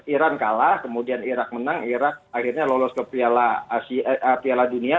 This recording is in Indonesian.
iran kalah kemudian irak menang irak akhirnya lolos ke piala dunia